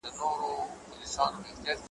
د اغیار جنازه ولاړه د غلیم کور دي تالان دی ,